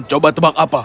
coba tebak apa